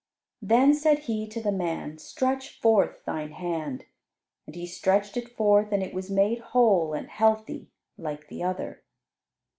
Then said He to the man, "Stretch forth thine hand." And he stretched it forth, and it was made whole and healthy like the other.